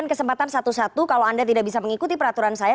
kesempatan satu satu kalau anda tidak bisa mengikuti peraturan saya